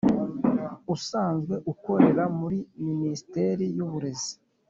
Usanzwe ukorera muri Ministeri y’uburezi